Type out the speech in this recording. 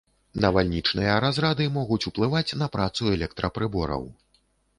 Навальнічныя разрады могуць уплываць на працу электрапрыбораў.